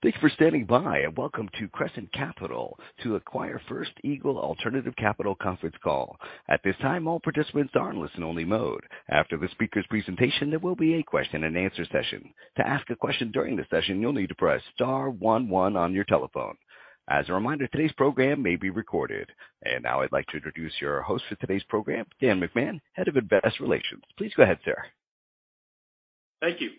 Thanks for standing by, and welcome to Crescent Capital BDC to acquire First Eagle Alternative Capital BDC conference call. At this time, all participants are in listen-only mode. After the speaker's presentation, there will be a question and answer session. To ask a question during the session, you'll need to press star one one on your telephone. As a reminder, today's program may be recorded. Now I'd like to introduce your host for today's program, Dan McMahon, Head of Investor Relations. Please go ahead, sir. Thank you.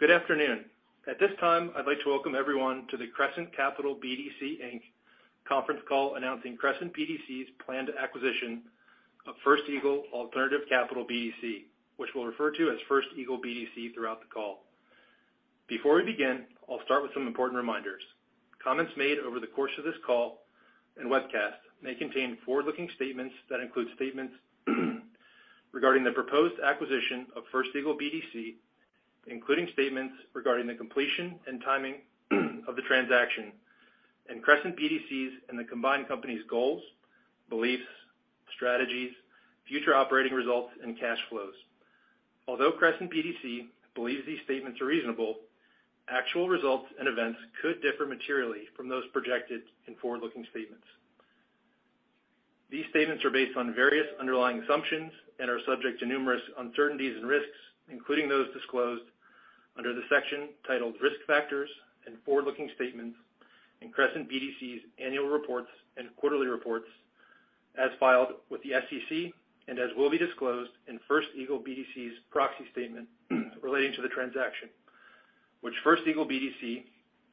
Good afternoon. At this time, I'd like to welcome everyone to the Crescent Capital BDC, Inc conference call announcing Crescent BDC's planned acquisition of First Eagle Alternative Capital BDC, which we'll refer to as First Eagle BDC throughout the call. Before we begin, I'll start with some important reminders. Comments made over the course of this call and webcast may contain forward-looking statements that include statements regarding the proposed acquisition of First Eagle BDC, including statements regarding the completion and timing of the transaction, and Crescent BDC's and the combined company's goals, beliefs, strategies, future operating results and cash flows. Although Crescent BDC believes these statements are reasonable, actual results and events could differ materially from those projected in forward-looking statements. These statements are based on various underlying assumptions and are subject to numerous uncertainties and risks, including those disclosed under the section titled Risk Factors and Forward-Looking Statements in Crescent BDC's annual reports and quarterly reports as filed with the SEC and as will be disclosed in First Eagle BDC's proxy statement relating to the transaction, which First Eagle BDC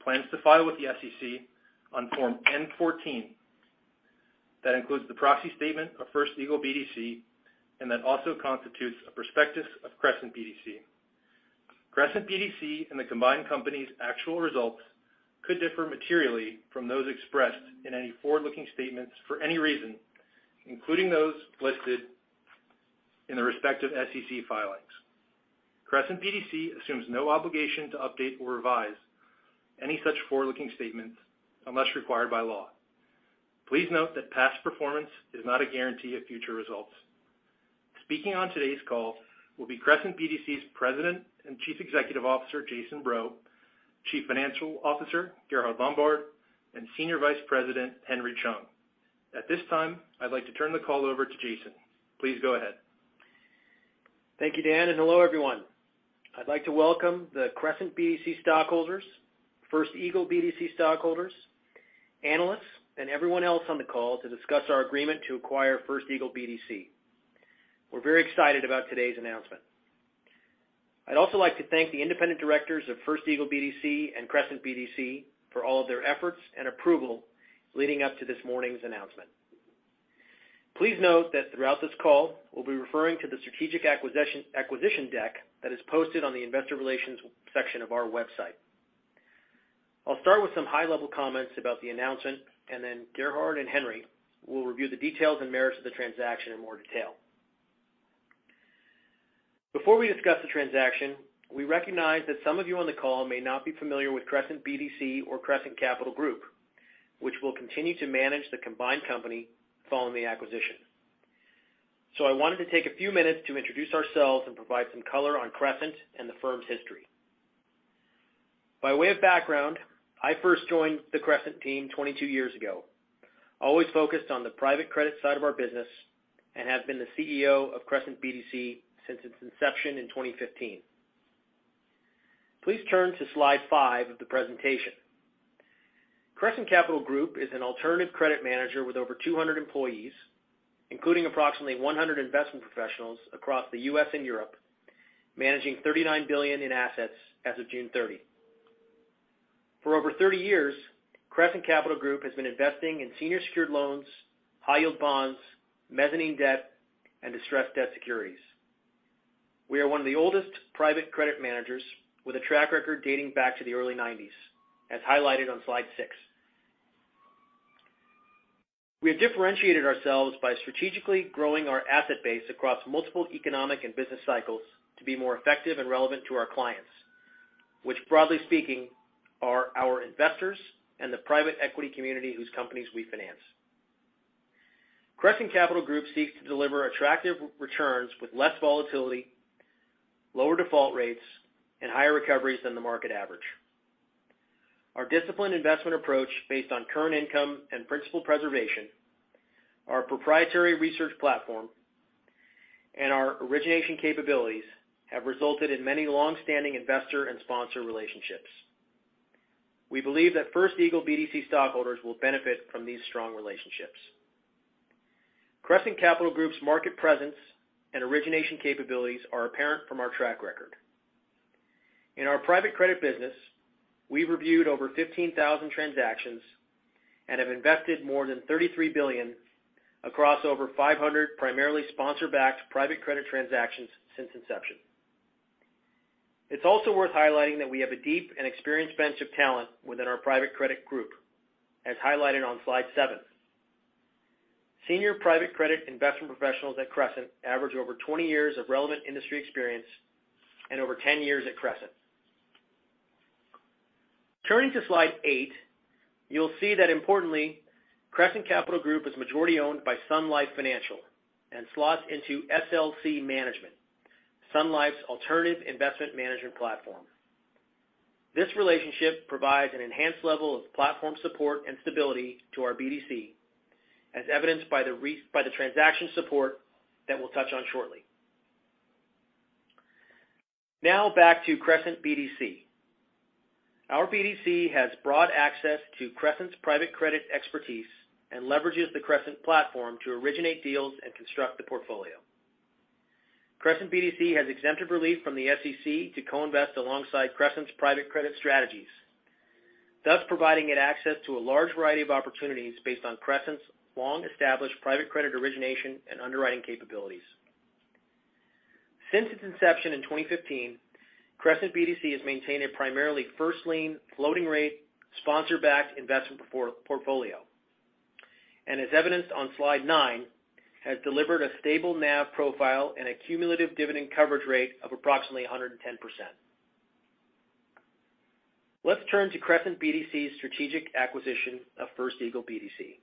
plans to file with the SEC on Form N-14. That includes the proxy statement of First Eagle BDC and that also constitutes a prospectus of Crescent BDC. Crescent BDC and the combined company's actual results could differ materially from those expressed in any forward-looking statements for any reason, including those listed in the respective SEC filings. Crescent BDC assumes no obligation to update or revise any such forward-looking statements unless required by law. Please note that past performance is not a guarantee of future results. Speaking on today's call will be Crescent BDC's President and Chief Executive Officer, Jason Breaux, Chief Financial Officer, Gerhard Lombard, and Senior Vice President, Henry Chung. At this time, I'd like to turn the call over to Jason. Please go ahead. Thank you, Dan, and hello, everyone. I'd like to welcome the Crescent BDC stockholders, First Eagle BDC stockholders, analysts, and everyone else on the call to discuss our agreement to acquire First Eagle BDC. We're very excited about today's announcement. I'd also like to thank the independent directors of First Eagle BDC and Crescent BDC for all of their efforts and approval leading up to this morning's announcement. Please note that throughout this call, we'll be referring to the strategic acquisition deck that is posted on the Investor Relations section of our website. I'll start with some high-level comments about the announcement, and then Gerhard and Henry will review the details and merits of the transaction in more detail. Before we discuss the transaction, we recognize that some of you on the call may not be familiar with Crescent BDC or Crescent Capital Group, which will continue to manage the combined company following the acquisition. I wanted to take a few minutes to introduce ourselves and provide some color on Crescent and the firm's history. By way of background, I first joined the Crescent team 22 years ago. Always focused on the private credit side of our business and have been the CEO of Crescent BDC since its inception in 2015. Please turn to slide 5 of the presentation. Crescent Capital Group is an alternative credit manager with over 200 employees, including approximately 100 investment professionals across the U.S. and Europe, managing $39 billion in assets as of June 30. For over 30 years, Crescent Capital Group has been investing in senior secured loans, high-yield bonds, mezzanine debt, and distressed debt securities. We are one of the oldest private credit managers with a track record dating back to the early 1990s, as highlighted on slide 6. We have differentiated ourselves by strategically growing our asset base across multiple economic and business cycles to be more effective and relevant to our clients, which broadly speaking, are our investors and the private equity community whose companies we finance. Crescent Capital Group seeks to deliver attractive returns with less volatility, lower default rates, and higher recoveries than the market average. Our disciplined investment approach based on current income and principal preservation, our proprietary research platform, and our origination capabilities have resulted in many long-standing investor and sponsor relationships. We believe that First Eagle BDC stockholders will benefit from these strong relationships. Crescent Capital Group's market presence and origination capabilities are apparent from our track record. In our private credit business, we've reviewed over 15,000 transactions and have invested more than $33 billion across over 500 primarily sponsor-backed private credit transactions since inception. It's also worth highlighting that we have a deep and experienced bench of talent within our private credit group, as highlighted on slide 7. Senior private credit investment professionals at Crescent average over 20 years of relevant industry experience and over 10 years at Crescent. Turning to slide 8, you'll see that importantly, Crescent Capital Group is majority-owned by Sun Life Financial and slots into SLC Management, Sun Life's alternative investment management platform. This relationship provides an enhanced level of platform support and stability to our BDC, as evidenced by the transaction support that we'll touch on shortly. Now back to Crescent BDC. Our BDC has broad access to Crescent's private credit expertise and leverages the Crescent platform to originate deals and construct the portfolio. Crescent BDC has exempted relief from the SEC to co-invest alongside Crescent's private credit strategies, thus providing it access to a large variety of opportunities based on Crescent's long-established private credit origination and underwriting capabilities. Since its inception in 2015, Crescent BDC has maintained a primarily first-lien, floating rate, sponsor-backed investment portfolio, and as evidenced on slide 9, has delivered a stable NAV profile and a cumulative dividend coverage rate of approximately 110%. Let's turn to Crescent BDC's strategic acquisition of First Eagle BDC.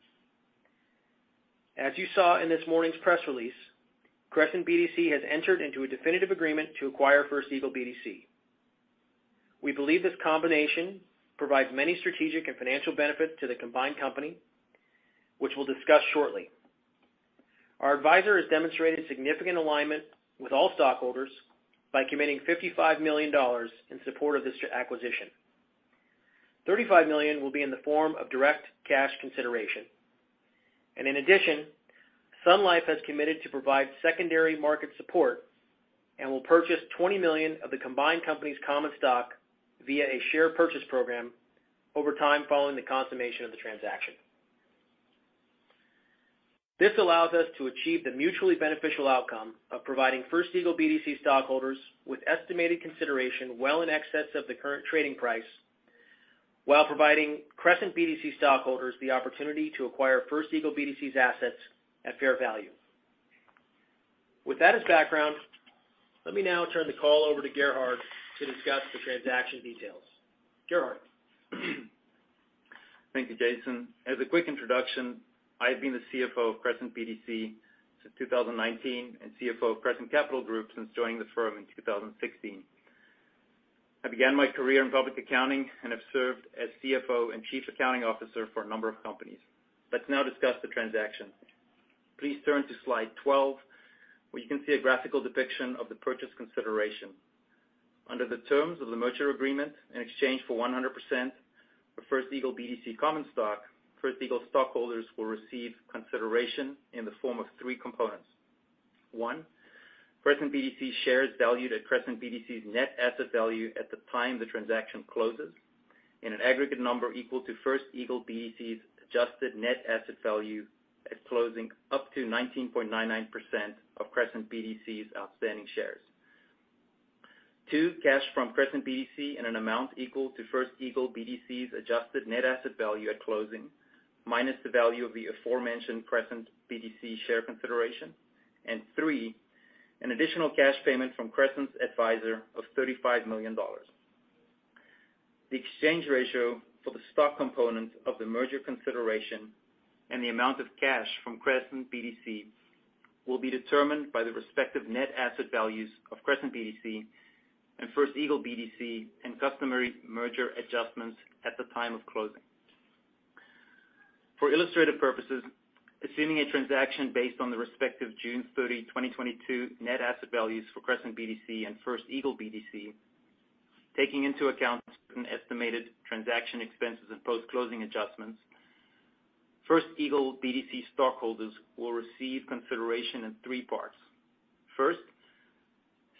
As you saw in this morning's press release, Crescent BDC has entered into a definitive agreement to acquire First Eagle BDC. We believe this combination provides many strategic and financial benefits to the combined company, which we'll discuss shortly. Our advisor has demonstrated significant alignment with all stockholders by committing $55 million in support of this acquisition. $35 million will be in the form of direct cash consideration. In addition, Sun Life has committed to provide secondary market support and will purchase 20 million of the combined company's common stock via a share purchase program over time following the consummation of the transaction. This allows us to achieve the mutually beneficial outcome of providing First Eagle BDC stockholders with estimated consideration well in excess of the current trading price, while providing Crescent BDC stockholders the opportunity to acquire First Eagle BDC's assets at fair value. With that as background, let me now turn the call over to Gerhard to discuss the transaction details. Gerhard? Thank you, Jason. As a quick introduction, I've been the CFO of Crescent BDC since 2019 and CFO of Crescent Capital Group since joining the firm in 2016. I began my career in public accounting and have served as CFO and chief accounting officer for a number of companies. Let's now discuss the transaction. Please turn to slide 12, where you can see a graphical depiction of the purchase consideration. Under the terms of the merger agreement, in exchange for 100% of First Eagle BDC common stock, First Eagle stockholders will receive consideration in the form of three components. One, Crescent BDC shares valued at Crescent BDC's net asset value at the time the transaction closes in an aggregate number equal to First Eagle BDC's adjusted net asset value at closing up to 19.99% of Crescent BDC's outstanding shares. Two, cash from Crescent BDC in an amount equal to First Eagle BDC's adjusted net asset value at closing, minus the value of the aforementioned Crescent BDC share consideration. Three, an additional cash payment from Crescent's advisor of $35 million. The exchange ratio for the stock component of the merger consideration and the amount of cash from Crescent BDC will be determined by the respective net asset values of Crescent BDC and First Eagle BDC and customary merger adjustments at the time of closing. For illustrative purposes, assuming a transaction based on the respective June 30, 2022 net asset values for Crescent BDC and First Eagle BDC, taking into account an estimated transaction expenses and post-closing adjustments, First Eagle BDC stockholders will receive consideration in three parts. First,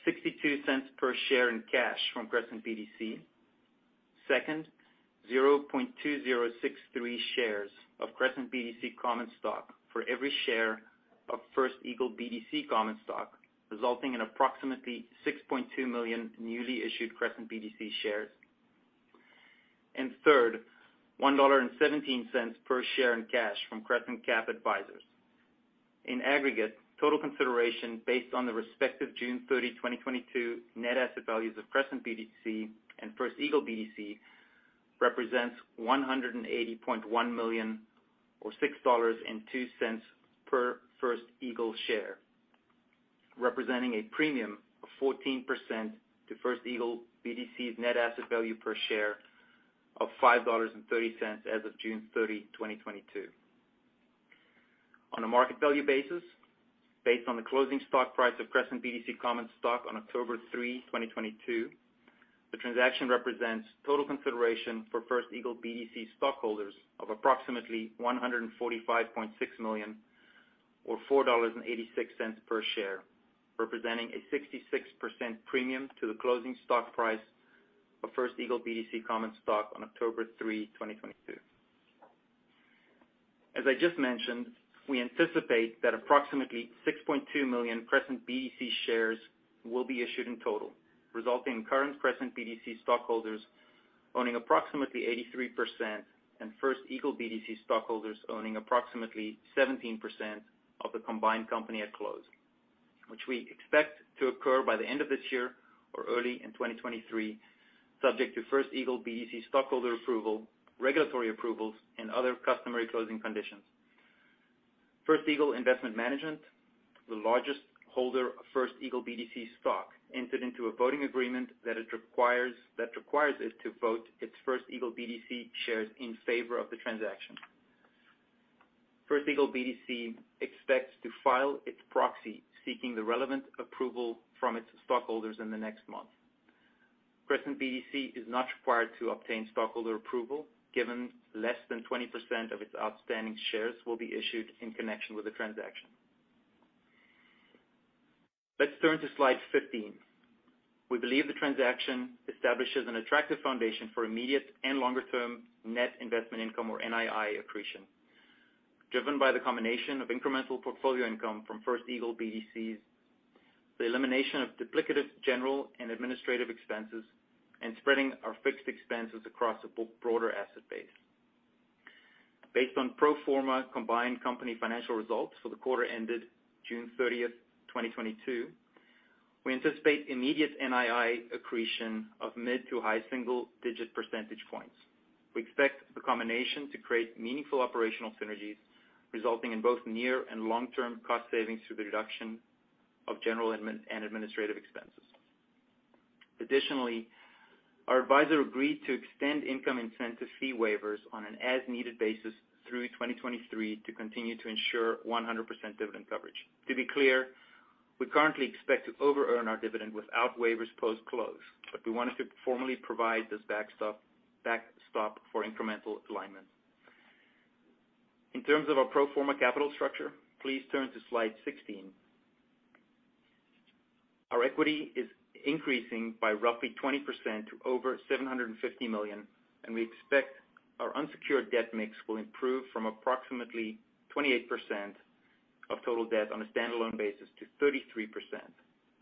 $0.62 per share in cash from Crescent BDC. Second, 0.2063 shares of Crescent BDC common stock for every share of First Eagle BDC common stock, resulting in approximately 6.2 million newly issued Crescent BDC shares. Third, $1.17 per share in cash from Crescent Cap Advisors. In aggregate, total consideration based on the respective June 30, 2022 net asset values of Crescent BDC and First Eagle BDC represents $180.1 million or $6.02 per First Eagle share, representing a premium of 14% to First Eagle BDC's net asset value per share of $5.30 as of June 30, 2022. On a market value basis, based on the closing stock price of Crescent BDC common stock on October 3, 2022, the transaction represents total consideration for First Eagle BDC stockholders of approximately $145.6 million or $4.86 per share, representing a 66% premium to the closing stock price of First Eagle BDC common stock on October 3, 2022. As I just mentioned, we anticipate that approximately 6.2 million Crescent BDC shares will be issued in total, resulting in current Crescent BDC stockholders owning approximately 83% and First Eagle BDC stockholders owning approximately 17% of the combined company at close, which we expect to occur by the end of this year or early in 2023, subject to First Eagle BDC stockholder approval, regulatory approvals, and other customary closing conditions. First Eagle Investment Management, the largest holder of First Eagle BDC stock, entered into a voting agreement that requires it to vote its First Eagle BDC shares in favor of the transaction. First Eagle BDC expects to file its proxy, seeking the relevant approval from its stockholders in the next month. Crescent BDC is not required to obtain stockholder approval, given less than 20% of its outstanding shares will be issued in connection with the transaction. Let's turn to slide 15. We believe the transaction establishes an attractive foundation for immediate and longer-term net investment income, or NII accretion, driven by the combination of incremental portfolio income from First Eagle BDC's, the elimination of duplicative general and administrative expenses, and spreading our fixed expenses across a broader asset base. Based on pro forma combined company financial results for the quarter ended June 30, 2022, we anticipate immediate NII accretion of mid-to-high single-digit percentage points. We expect the combination to create meaningful operational synergies, resulting in both near- and long-term cost savings through the reduction of general and administrative expenses. Additionally, our advisor agreed to extend income incentive fee waivers on an as-needed basis through 2023 to continue to ensure 100% dividend coverage. To be clear, we currently expect to over-earn our dividend without waivers post-close, but we wanted to formally provide this backstop for incremental alignment. In terms of our pro forma capital structure, please turn to slide 16. Our equity is increasing by roughly 20% to over $750 million, and we expect our unsecured debt mix will improve from approximately 28% of total debt on a standalone basis to 33%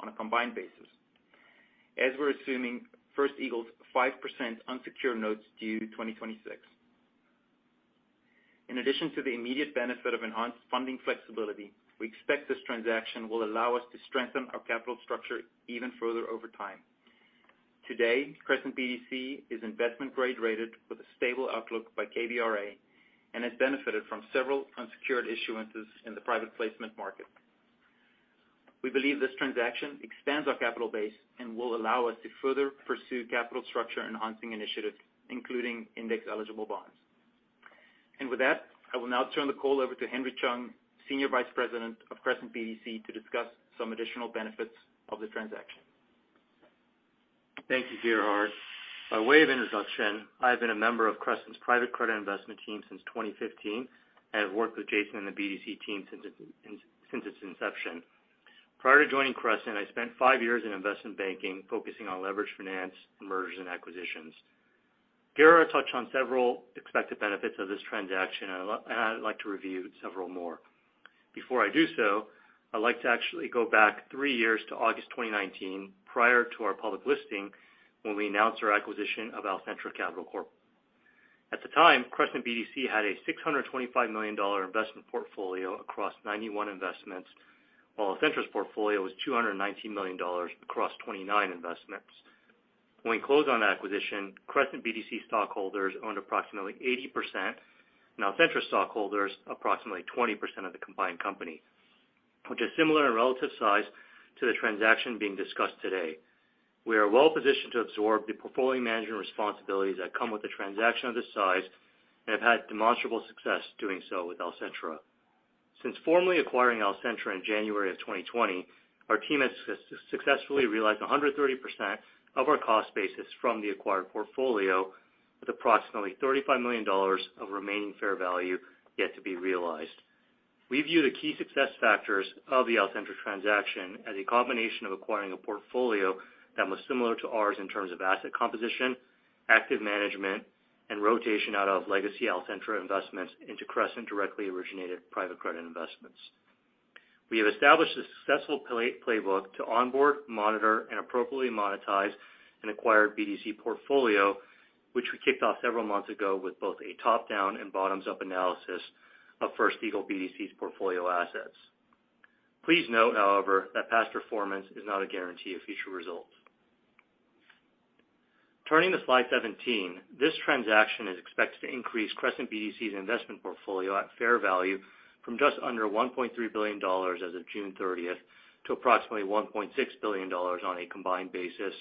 on a combined basis, as we're assuming First Eagle's 5% unsecured notes due 2026. In addition to the immediate benefit of enhanced funding flexibility, we expect this transaction will allow us to strengthen our capital structure even further over time. Today, Crescent BDC is investment grade rated with a stable outlook by KBRA and has benefited from several unsecured issuances in the private placement market. We believe this transaction expands our capital base and will allow us to further pursue capital structure-enhancing initiatives, including index-eligible bonds. With that, I will now turn the call over to Henry Chung, Senior Vice President of Crescent BDC, to discuss some additional benefits of the transaction. Thank you, Gerhard. By way of introduction, I have been a member of Crescent's private credit investment team since 2015. I have worked with Jason and the BDC team since its inception. Prior to joining Crescent, I spent 5 years in investment banking focusing on leverage finance and mergers and acquisitions. Gerhard touched on several expected benefits of this transaction, and I'd like to review several more. Before I do so, I'd like to actually go back 3 years to August 2019, prior to our public listing, when we announced our acquisition of Alcentra Capital Corp. At the time, Crescent BDC had a $625 million investment portfolio across 91 investments, while Alcentra's portfolio was $219 million across 29 investments. When we closed on that acquisition, Crescent BDC stockholders owned approximately 80%, and Alcentra stockholders approximately 20% of the combined company, which is similar in relative size to the transaction being discussed today. We are well-positioned to absorb the portfolio management responsibilities that come with a transaction of this size and have had demonstrable success doing so with Alcentra. Since formally acquiring Alcentra in January 2020, our team has successfully realized 130% of our cost basis from the acquired portfolio, with approximately $35 million of remaining fair value yet to be realized. We view the key success factors of the Alcentra transaction as a combination of acquiring a portfolio that was similar to ours in terms of asset composition, active management, and rotation out of legacy Alcentra investments into Crescent directly originated private credit investments. We have established a successful play, playbook to onboard, monitor, and appropriately monetize an acquired BDC portfolio, which we kicked off several months ago with both a top-down and bottoms-up analysis of First Eagle BDC's portfolio assets. Please note, however, that past performance is not a guarantee of future results. Turning to slide 17, this transaction is expected to increase Crescent BDC's investment portfolio at fair value from just under $1.3 billion as of June thirtieth to approximately $1.6 billion on a combined basis,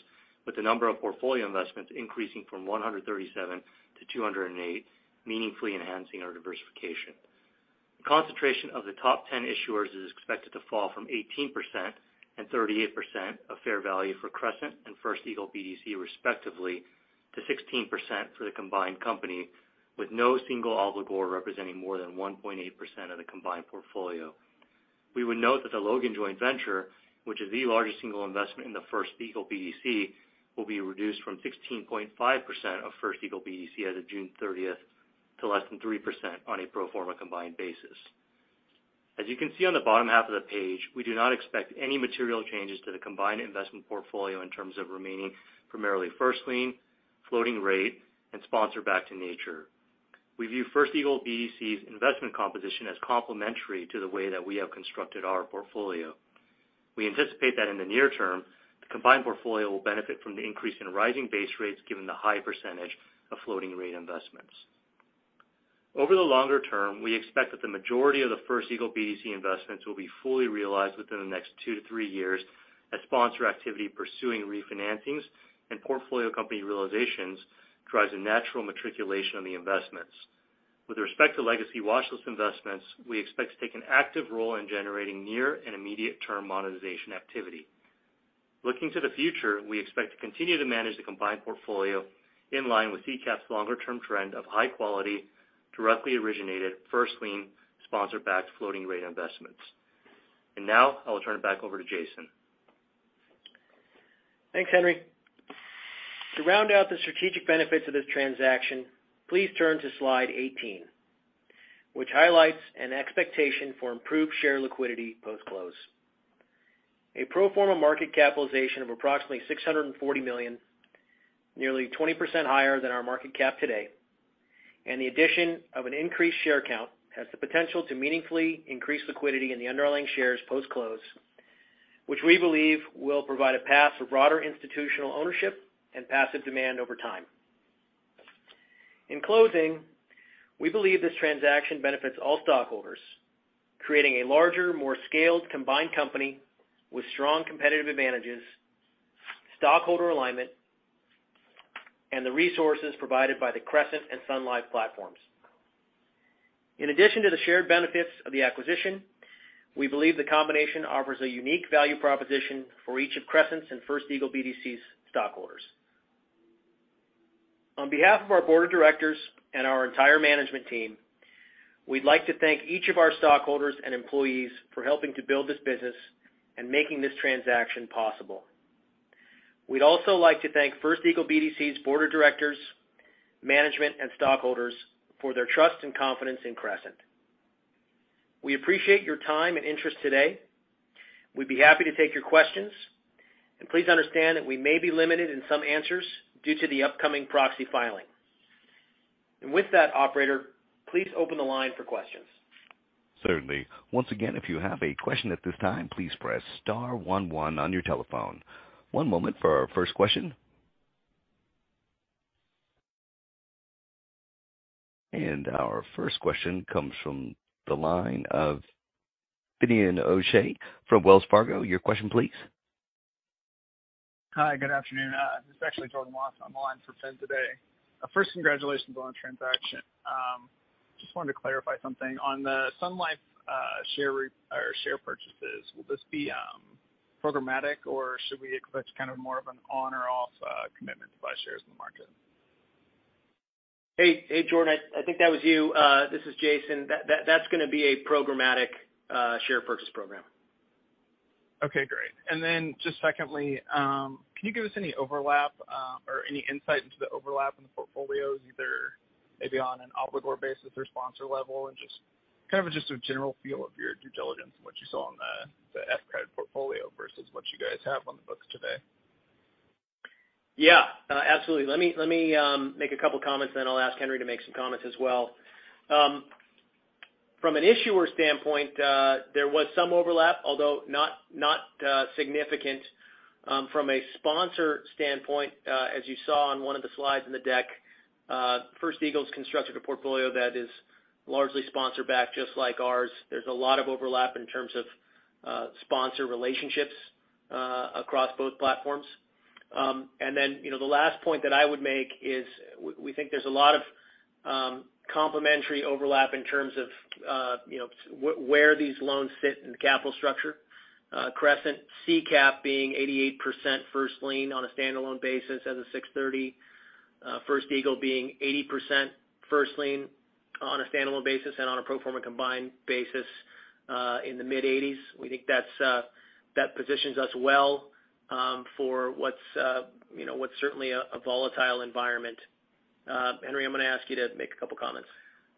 with the number of portfolio investments increasing from 137 to 208, meaningfully enhancing our diversification. Concentration of the top 10 issuers is expected to fall from 18% and 38% of fair value for Crescent and First Eagle BDC respectively, to 16% for the combined company, with no single obligor representing more than 1.8% of the combined portfolio. We would note that the Logan Joint Venture, which is the largest single investment in the First Eagle BDC, will be reduced from 16.5% of First Eagle BDC as of June 30th to less than 3% on a pro forma combined basis. As you can see on the bottom half of the page, we do not expect any material changes to the combined investment portfolio in terms of remaining primarily first lien, floating rate, and sponsor-backed in nature. We view First Eagle BDC's investment composition as complementary to the way that we have constructed our portfolio. We anticipate that in the near term, the combined portfolio will benefit from the increase in rising base rates given the high percentage of floating rate investments. Over the longer term, we expect that the majority of the First Eagle BDC investments will be fully realized within the next 2-3 years as sponsor activity pursuing refinancings and portfolio company realizations drives a natural maturation on the investments. With respect to legacy watch list investments, we expect to take an active role in generating near- and immediate-term monetization activity. Looking to the future, we expect to continue to manage the combined portfolio in line with CCAP's longer-term trend of high quality, directly originated first lien sponsor-backed floating rate investments. Now I will turn it back over to Jason. Thanks, Henry. To round out the strategic benefits of this transaction, please turn to slide 18, which highlights an expectation for improved share liquidity post-close. A pro forma market capitalization of approximately $640 million, nearly 20% higher than our market cap today, and the addition of an increased share count has the potential to meaningfully increase liquidity in the underlying shares post-close, which we believe will provide a path to broader institutional ownership and passive demand over time. In closing, we believe this transaction benefits all stockholders, creating a larger, more scaled combined company with strong competitive advantages, stockholder alignment, and the resources provided by the Crescent and Sun Life platforms. In addition to the shared benefits of the acquisition, we believe the combination offers a unique value proposition for each of Crescent's and First Eagle BDC's stockholders. On behalf of our board of directors and our entire management team, we'd like to thank each of our stockholders and employees for helping to build this business and making this transaction possible. We'd also like to thank First Eagle BDC's board of directors, management, and stockholders for their trust and confidence in Crescent. We appreciate your time and interest today. We'd be happy to take your questions, and please understand that we may be limited in some answers due to the upcoming proxy filing. With that operator, please open the line for questions. Certainly. Once again, if you have a question at this time, please press star one one on your telephone. One moment for our first question. Our first question comes from the line of Finian O'Shea from Wells Fargo. Your question please. Hi, good afternoon. This is actually Jordan Wathen. I'm on the line for Fin today. First, congratulations on the transaction. Just wanted to clarify something. On the Sun Life share repurchase or share purchases, will this be programmatic or should we expect kind of more of an on or off commitment to buy shares in the market? Hey, hey, Jordan. I think that was you. This is Jason. That's gonna be a programmatic share purchase program. Okay, great. Just secondly, can you give us any overlap, or any insight into the overlap in the portfolios, either maybe on an obligor basis or sponsor level? Just kind of a general feel of your due diligence and what you saw on the First Eagle credit portfolio versus what you guys have on the books today. Yeah, absolutely. Let me make a couple of comments, then I'll ask Henry to make some comments as well. From an issuer standpoint, there was some overlap, although not significant, from a sponsor standpoint. As you saw on one of the slides in the deck, First Eagle's constructed a portfolio that is largely sponsor backed just like ours. There's a lot of overlap in terms of sponsor relationships across both platforms. Then, you know, the last point that I would make is we think there's a lot of complementary overlap in terms of, you know, where these loans fit in the capital structure. Crescent CCAP being 88% first lien on a standalone basis as of 6/30. First Eagle being 80% first lien on a standalone basis and on a pro forma combined basis, in the mid-80s. We think that's that positions us well, for what's, you know, what's certainly a volatile environment. Henry, I'm gonna ask you to make a couple comments.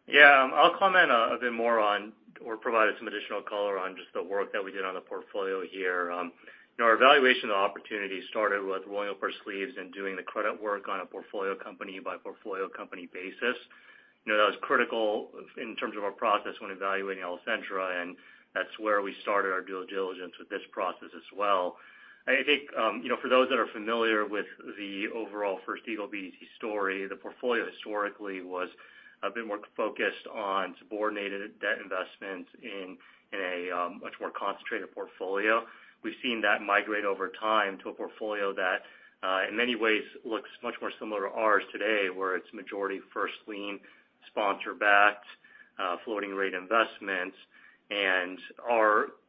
Yeah. I'll comment a bit more on or provide some additional color on just the work that we did on the portfolio here. You know, our evaluation opportunity started with rolling up our sleeves and doing the credit work on a portfolio company by portfolio company basis. You know, that was critical in terms of our process when evaluating Alcentra, and that's where we started our due diligence with this process as well. I think, you know, for those that are familiar with the overall First Eagle BDC story, the portfolio historically was a bit more focused on subordinated debt investments in a much more concentrated portfolio. We've seen that migrate over time to a portfolio that in many ways looks much more similar to ours today, where it's majority first lien, sponsor backed floating rate investments.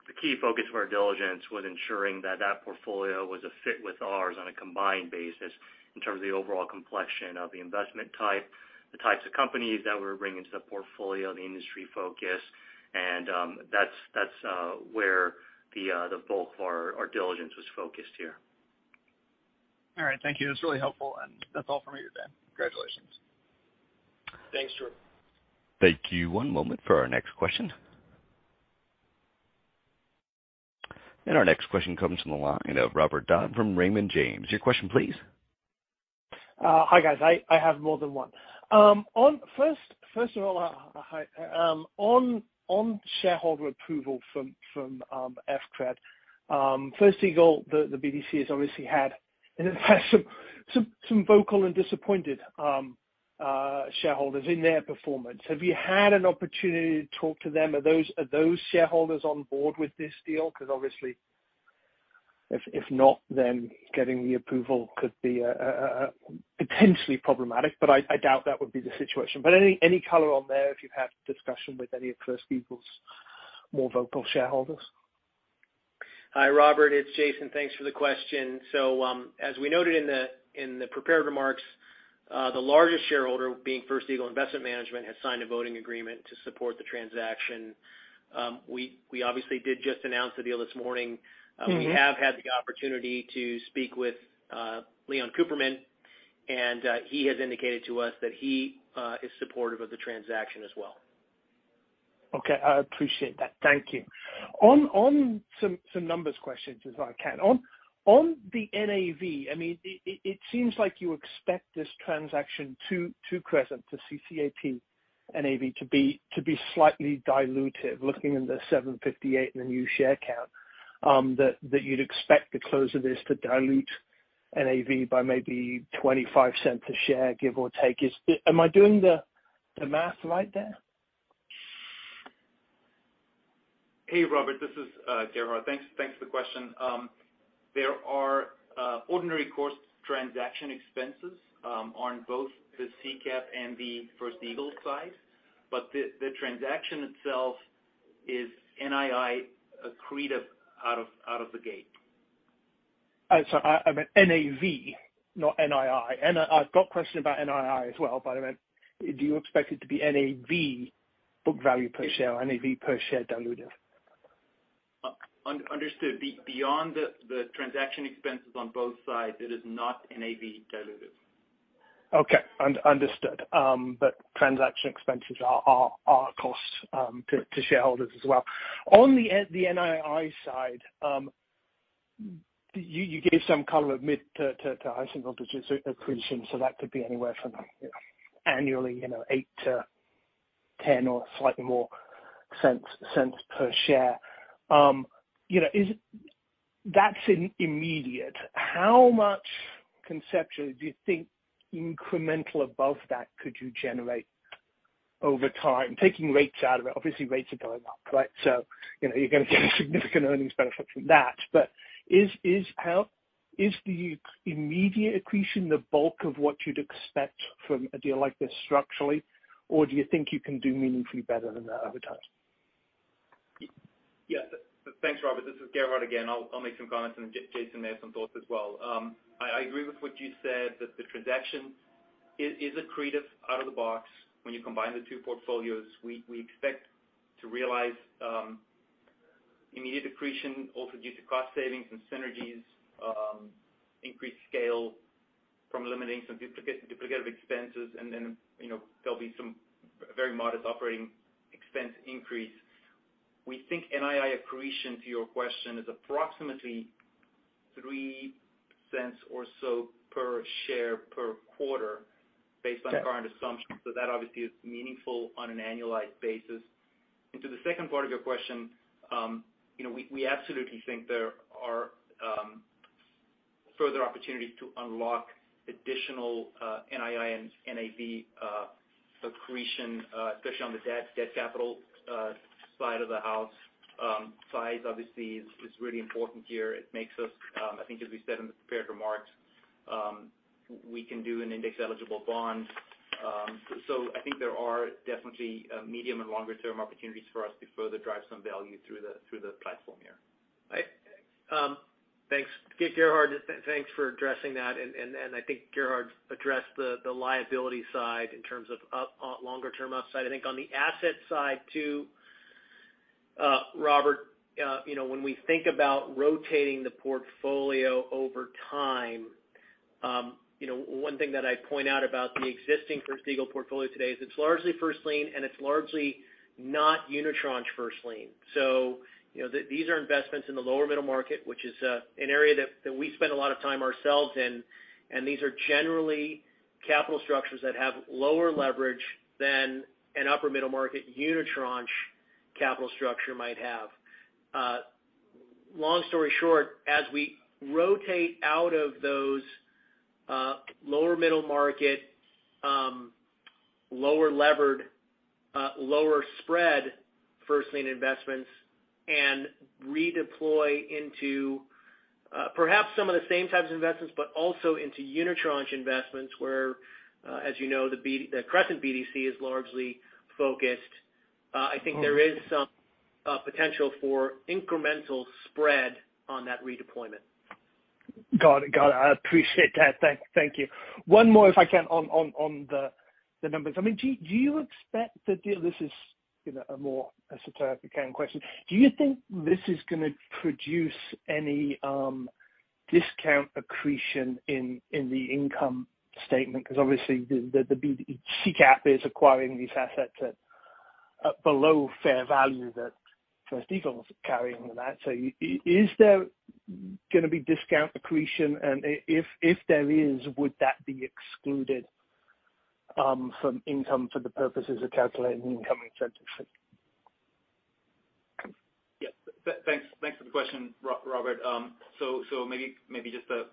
The key focus of our diligence was ensuring that that portfolio was a fit with ours on a combined basis in terms of the overall complexion of the investment type, the types of companies that we're bringing to the portfolio, the industry focus, and that's where the bulk of our diligence was focused here. All right. Thank you. That's really helpful. That's all from me today. Congratulations. Thanks, Jordan. Thank you. One moment for our next question. Our next question comes from the line of Robert Dodd from Raymond James. Your question please. Hi guys. I have more than one. First of all, on shareholder approval from First Eagle, the BDC has obviously had, and in fact, some vocal and disappointed shareholders in their performance. Have you had an opportunity to talk to them? Are those shareholders on board with this deal? Because obviously, if not, then getting the approval could be potentially problematic, but I doubt that would be the situation. Any color on there if you've had discussion with any of First Eagle's more vocal shareholders. Hi, Robert, it's Jason. Thanks for the question. As we noted in the prepared remarks, the largest shareholder being First Eagle Investment Management has signed a voting agreement to support the transaction. We obviously did just announce the deal this morning. Mm-hmm. We have had the opportunity to speak with Leon Cooperman, and he has indicated to us that he is supportive of the transaction as well. Okay. I appreciate that. Thank you. On some numbers questions if I can. On the NAV, I mean, it seems like you expect this transaction to Crescent, to CCAP NAV to be slightly dilutive looking in the $7.58 in the new share count, that you'd expect the close of this to dilute NAV by maybe $0.25 a share, give or take. Am I doing the math right there? Hey, Robert, this is Gerhard. Thanks for the question. There are ordinary course transaction expenses on both the CCAP and the First Eagle side. The transaction itself is NII accretive out of the gate. Oh, sorry. I meant NAV, not NII. I've got a question about NII as well, but I meant do you expect it to be NAV book value per share, NAV per share dilutive? Understood. Beyond the transaction expenses on both sides, it is not NAV dilutive. Okay. Understood. Transaction expenses are costs to shareholders as well. On the NII side, you gave some color of mid to high single digits accretion, so that could be anywhere from annually, you know, $0.08-$0.10 or slightly more per share. You know, is it? That's immediate. How much conceptually do you think incremental above that could you generate over time, taking rates out of it? Obviously, rates are going up, right? You know, you're gonna get a significant earnings benefit from that. Is the immediate accretion the bulk of what you'd expect from a deal like this structurally? Or do you think you can do meaningfully better than that over time? Yes. Thanks, Robert. This is Gerhard again. I'll make some comments, and Jason may have some thoughts as well. I agree with what you said that the transaction is accretive out of the box when you combine the two portfolios. We expect to realize immediate accretion also due to cost savings and synergies, increased scale from eliminating some duplicative expenses. You know, there'll be some very modest operating expense increase. We think NII accretion to your question is approximately $0.03 or so per share per quarter based on current assumptions. That obviously is meaningful on an annualized basis. To the second part of your question, you know, we absolutely think there are further opportunities to unlock additional NII and NAV accretion, especially on the debt capital side of the house. Size obviously is really important here. It makes us, I think as we said in the prepared remarks, we can do an index-eligible bond. So I think there are definitely medium and longer term opportunities for us to further drive some value through the platform here. Thanks. Gerhard, thanks for addressing that. I think Gerhard addressed the liability side in terms of longer term upside. I think on the asset side too, Robert, you know, when we think about rotating the portfolio over time, you know, one thing that I point out about the existing First Eagle portfolio today is it's largely first lien, and it's largely not unitranche first lien. You know, these are investments in the lower middle market, which is an area that we spend a lot of time ourselves in, and these are generally capital structures that have lower leverage than an upper middle market unitranche capital structure might have. Long story short, as we rotate out of those lower middle market lower levered lower spread first lien investments and redeploy into perhaps some of the same types of investments, but also into unitranche investments where, as you know, the Crescent BDC is largely focused, I think there is some potential for incremental spread on that redeployment. Got it. I appreciate that. Thank you. One more if I can on the numbers. I mean, do you expect the deal, this is, you know, a more esoteric kind of question. Do you think this is gonna produce any discount accretion in the income statement? Because obviously the BDC CCAP is acquiring these assets at below fair value that First Eagle is carrying. So is there gonna be discount accretion? And if there is, would that be excluded from income for the purposes of calculating income incentives? Yeah. Thanks, thanks for the question, Robert. So maybe just a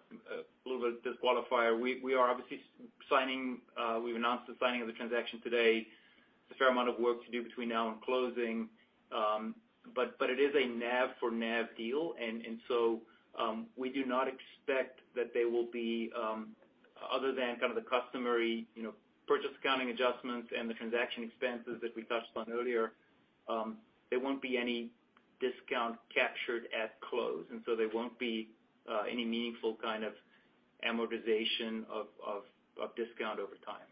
little bit of disclaimer. We are obviously signing. We've announced the signing of the transaction today. There's a fair amount of work to do between now and closing. But it is a NAV for NAV deal. We do not expect that there will be other than kind of the customary, you know, purchase accounting adjustments and the transaction expenses that we touched on earlier, there won't be any discount captured at close, and so there won't be any meaningful kind of amortization of discount over time.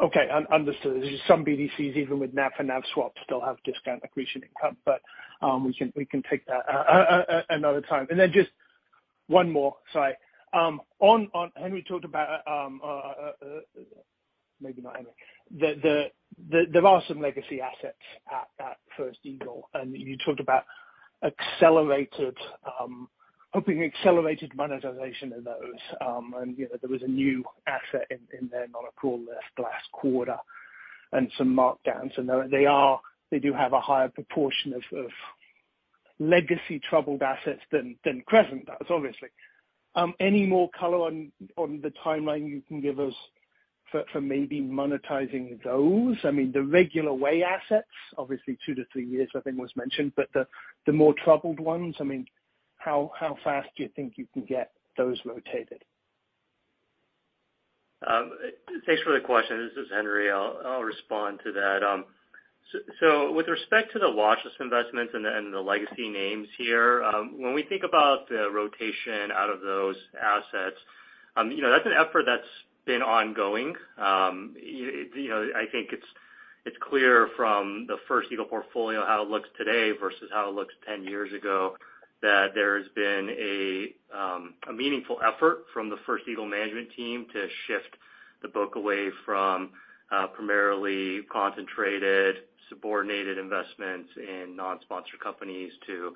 Okay. Understood. There's some BDCs, even with NAV for NAV swap, still have discount accretion income. But we can take that another time. Then just one more, sorry. On Henry talked about, maybe not Henry. There are some legacy assets at First Eagle, and you talked about accelerated hoping accelerated monetization of those. And you know, there was a new asset in there on a call list last quarter and some markdowns. They do have a higher proportion of legacy troubled assets than Crescent does, obviously. Any more color on the timeline you can give us for maybe monetizing those? I mean, the regular way assets, obviously 2-3 years, I think was mentioned, but the more troubled ones, I mean, how fast do you think you can get those rotated? Thanks for the question. This is Henry. I'll respond to that. With respect to the watch list investments and the legacy names here, when we think about the rotation out of those assets, you know, I think it's clear from the First Eagle portfolio how it looks today versus how it looked 10 years ago, that there has been a meaningful effort from the First Eagle management team to shift the book away from primarily concentrated subordinated investments in non-sponsor companies to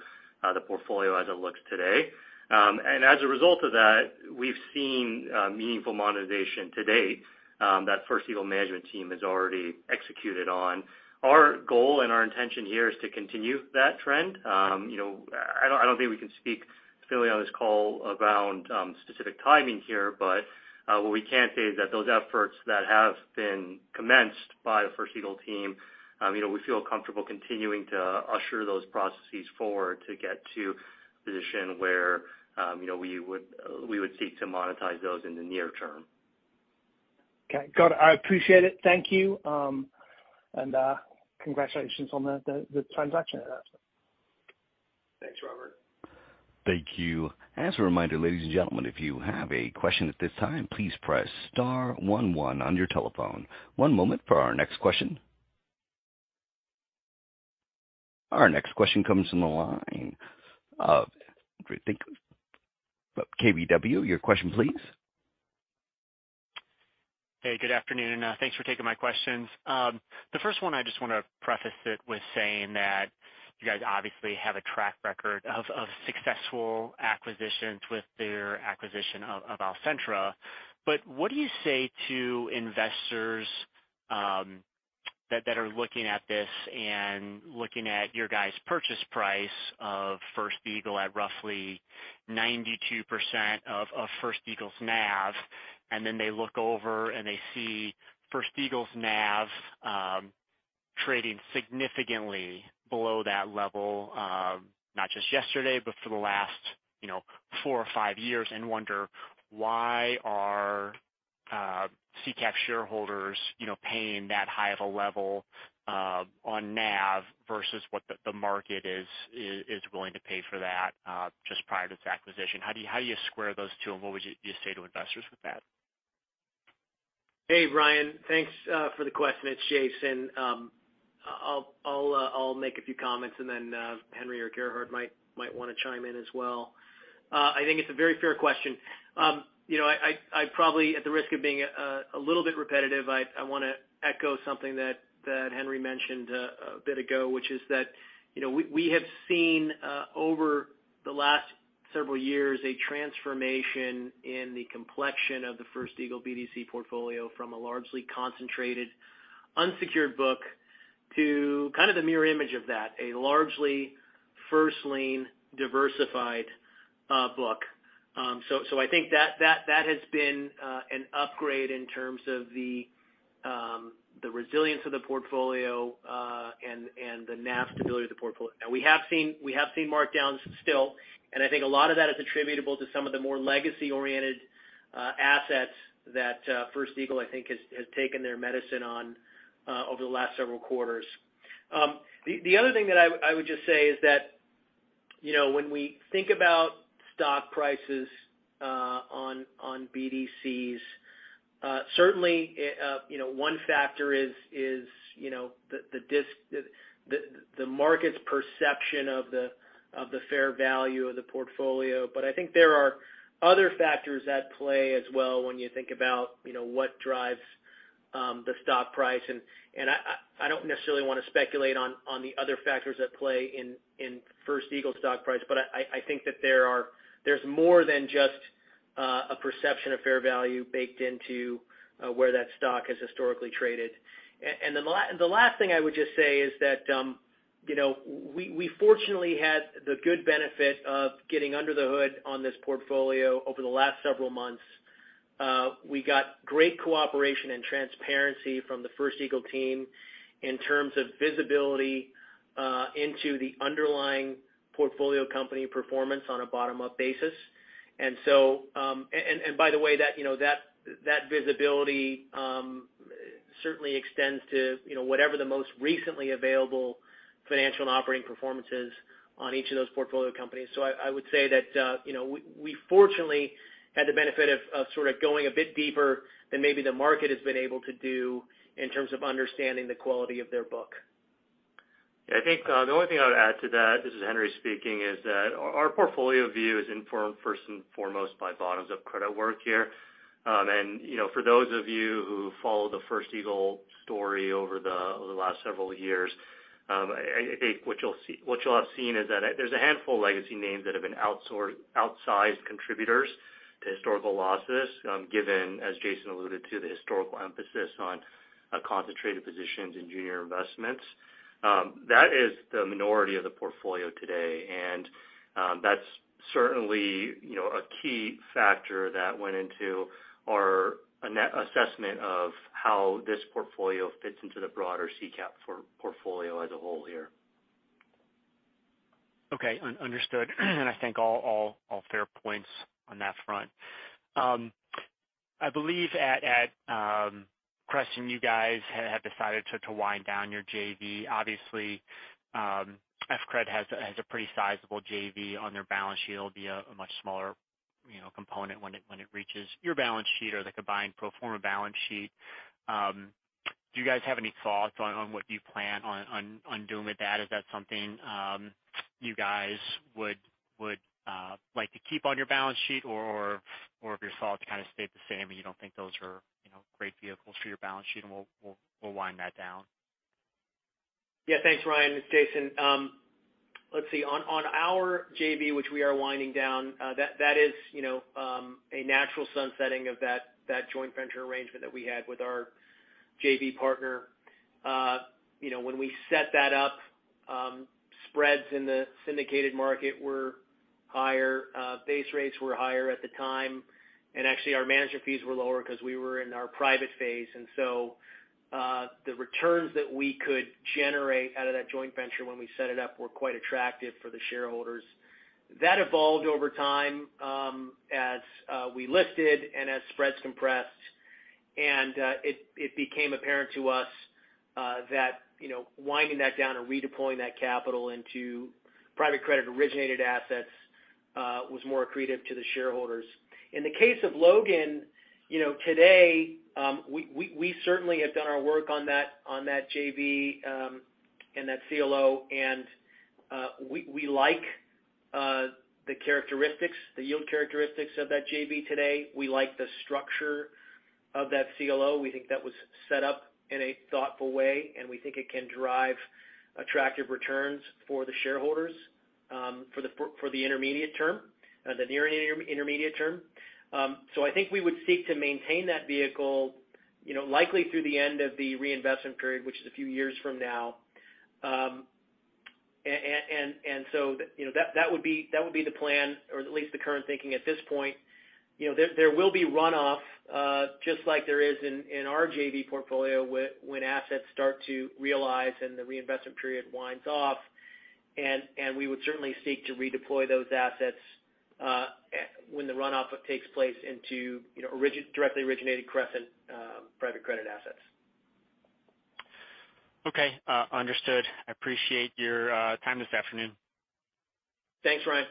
the portfolio as it looks today. As a result of that, we've seen meaningful monetization to date that First Eagle management team has already executed on. Our goal and our intention here is to continue that trend. You know, I don't think we can speak freely on this call around specific timing here but what we can say is that those efforts that have been commenced by the First Eagle team, you know, we feel comfortable continuing to usher those processes forward to get to a position where, you know, we would seek to monetize those in the near term. Okay. Got it. I appreciate it. Thank you. Congratulations on the transaction. Thanks, Robert. Thank you. As a reminder, ladies and gentlemen, if you have a question at this time, please press star one one on your telephone. One moment for our next question. Our next question comes from the line of, I think, KBW. Your question please. Hey, good afternoon. Thanks for taking my questions. The first one, I just wanna preface it with saying that you guys obviously have a track record of successful acquisitions with your acquisition of Alcentra. What do you say to investors that are looking at this and looking at your guys' purchase price of First Eagle at roughly 92% of First Eagle's NAV, and then they look over and they see First Eagle's NAV trading significantly below that level, not just yesterday, but for the last, you know, 4 or 5 years, and wonder why are CCAP shareholders, you know, paying that high of a level on NAV versus what the market is willing to pay for that just prior to this acquisition? How do you square those two and what would you say to investors with that? Hey, Ryan. Thanks for the question. It's Jason. I'll make a few comments and then Henry or Gerhard might wanna chime in as well. I think it's a very fair question. You know, I probably, at the risk of being a little bit repetitive, I wanna echo something that Henry mentioned a bit ago, which is that, you know, we have seen over the last several years a transformation in the complexion of the First Eagle BDC portfolio from a largely concentrated unsecured book to kind of the mirror image of that, a largely first lien diversified book. I think that has been an upgrade in terms of the resilience of the portfolio and the NAV stability of the portfolio. Now we have seen markdowns still, and I think a lot of that is attributable to some of the more legacy-oriented assets that First Eagle, I think, has taken their medicine on over the last several quarters. The other thing that I would just say is that, you know, when we think about stock prices on BDCs, certainly, you know, one factor is, you know, the, the market's perception of the fair value of the portfolio. I think there are other factors at play as well when you think about, you know, what drives the stock price. I don't necessarily wanna speculate on the other factors at play in First Eagle stock price, but I think that there's more than just a perception of fair value baked into where that stock has historically traded. The last thing I would just say is that, you know, we fortunately had the good benefit of getting under the hood on this portfolio over the last several months. We got great cooperation and transparency from the First Eagle team in terms of visibility into the underlying portfolio company performance on a bottom-up basis. By the way, that you know visibility certainly extends to you know whatever the most recently available financial and operating performances on each of those portfolio companies. I would say that you know we fortunately had the benefit of sort of going a bit deeper than maybe the market has been able to do in terms of understanding the quality of their book. I think, the only thing I would add to that, this is Henry speaking, is that our portfolio view is informed first and foremost by bottoms-up credit work here. You know, for those of you who follow the First Eagle story over the last several years, I think what you'll have seen is that there's a handful of legacy names that have been outsized contributors to historical losses, given, as Jason alluded to, the historical emphasis on concentrated positions in junior investments. That is the minority of the portfolio today, and that's certainly, you know, a key factor that went into our net assessment of how this portfolio fits into the broader CCAP portfolio as a whole here. Okay. Understood. I think all fair points on that front. I believe at Crescent, you guys have decided to wind down your JV, obviously, FCRD has a pretty sizable JV on their balance sheet. It'll be a much smaller, you know, component when it reaches your balance sheet or the combined pro forma balance sheet. Do you guys have any thoughts on what you plan on doing with that? Is that something you guys would like to keep on your balance sheet or have you thought to kind of stay the same, and you don't think those are, you know, great vehicles for your balance sheet, and we'll wind that down? Yeah. Thanks, Ryan. It's Jason. Let's see. On our JV, which we are winding down, that is, you know, a natural sunsetting of that joint venture arrangement that we had with our JV partner. You know, when we set that up, spreads in the syndicated market were higher, base rates were higher at the time, and actually our management fees were lower because we were in our private phase. The returns that we could generate out of that joint venture when we set it up were quite attractive for the shareholders. That evolved over time as we listed and as spreads compressed. It became apparent to us that, you know, winding that down and redeploying that capital into private credit originated assets was more accretive to the shareholders. In the case of Logan, you know, today, we certainly have done our work on that, on that JV, and that CLO. We like the characteristics, the yield characteristics of that JV today. We like the structure of that CLO. We think that was set up in a thoughtful way and we think it can drive attractive returns for the shareholders, for the intermediate term, the near in-intermediate term. I think we would seek to maintain that vehicle, you know, likely through the end of the reinvestment period, which is a few years from now. You know, that would be the plan or at least the current thinking at this point. You know, there will be runoff just like there is in our JV portfolio when assets start to realize, and the reinvestment period winds off. We would certainly seek to redeploy those assets when the runoff takes place into you know directly originated Crescent private credit assets. Okay. Understood. I appreciate your time this afternoon. Thanks, Ryan.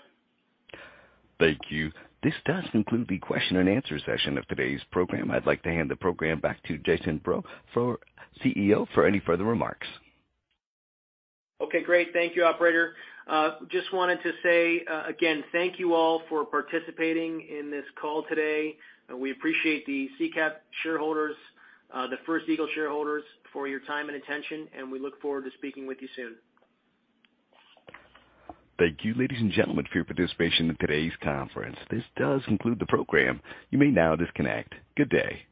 Thank you. This does conclude the question and answer session of today's program. I'd like to hand the program back to Jason Breaux, CEO, for any further remarks. Okay, great. Thank you, operator. Just wanted to say, again, thank you all for participating in this call today. We appreciate the CCAP shareholders, the First Eagle shareholders for your time and attention, and we look forward to speaking with you soon. Thank you, ladies and gentlemen, for your participation in today's conference. This does conclude the program. You may now disconnect. Good day.